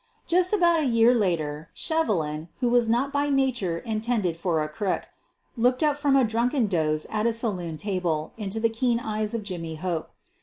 Just about a year later Shevelin, who was not by nature intended for a crook, looked up from a drunken doze at a saloon table into the keen eyes of Jimmy Hope.